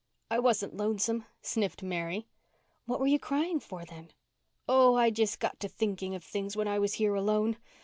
"I wasn't lonesome," sniffed Mary. "What were you crying for then?" "Oh, I just got to thinking of things when I was here alone.